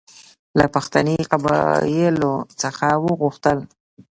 له پښتني قبایلو څخه وغوښتل.